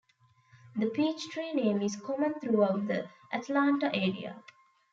The Peachtree name is common throughout the Atlanta area.